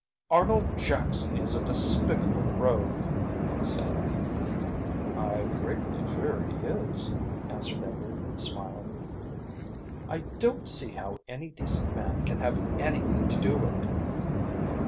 "Arnold Jackson is a despicable rogue," he said. "I greatly fear he is," answered Edward, smiling. "I don't see how any decent man can have anything to do with him."